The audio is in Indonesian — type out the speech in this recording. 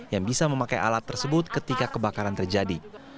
yang bisa memakai alat tersebut ketika kebakaran terjadi